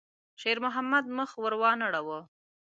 شېرمحمد مخ ور وانه ړاوه.